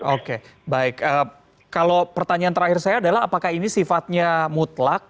oke baik kalau pertanyaan terakhir saya adalah apakah ini sifatnya mutlak